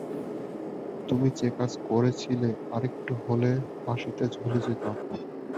তুমি যেকাজ করেছিলে, আরেকটু হলে ফাঁসিতে ঝুলে যেতাম।